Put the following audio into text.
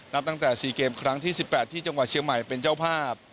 ตั้งแต่๔เกมครั้งที่๑๘ที่จังหวัดเชียงใหม่เป็นเจ้าภาพ